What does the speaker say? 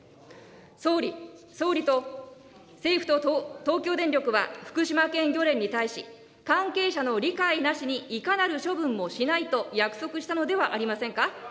総理、総理と政府と東京電力は福島県漁連に対し、関係者の理解なしにいかなる処分もしないと約束したのではありませんか。